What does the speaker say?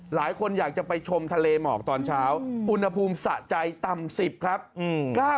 หลายคนอยากจะไปชมทะเลหมอกตอนเช้าอุณหภูมิสะใจต่ำ๑๐ครับ